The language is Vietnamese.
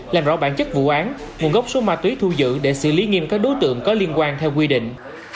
làm rõ bản chất vụ án nguồn gốc số ma túy thu giữ để xử lý nghiêm các đối tượng có liên quan theo quy định